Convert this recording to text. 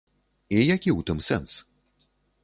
І які ў тым сэнс?